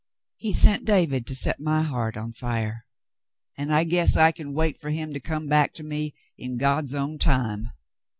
He sent David to set my heart on fire, and I guess I can wait for him to come back to me in God's own time.'